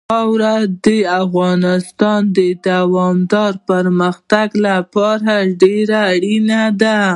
خاوره د افغانستان د دوامداره پرمختګ لپاره ډېر اړین دي.